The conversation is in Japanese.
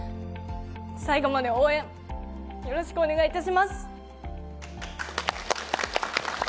最後まで応援よろしくお願いいたします。